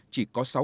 chỉ có sáu ca